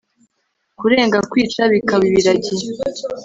kurenga kwica bikaba ibiragi